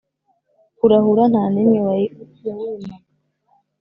kurahura nta n imwe yawimaga